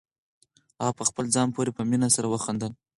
هغه په خپل ځان پورې په مینه سره وخندل.